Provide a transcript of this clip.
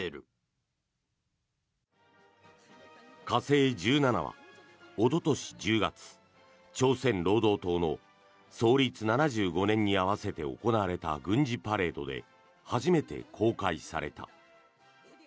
火星１７はおととし１０月朝鮮労働党の創立７５年に合わせて行われた軍事パレードで初めて公開された。